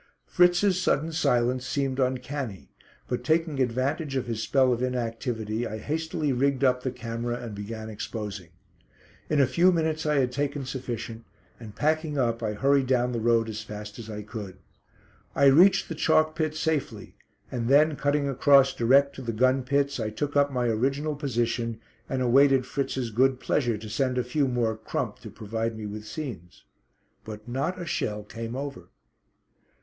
Fritz's sudden silence seemed uncanny, but taking advantage of his spell of inactivity I hastily rigged up the camera and began exposing. In a few minutes I had taken sufficient, and packing up I hurried down the road as fast as I could. I reached the chalk pit safely and then, cutting across direct to the gun pits, I took up my original position and awaited Fritz's good pleasure to send a few more crump to provide me with scenes. But not a shell came over.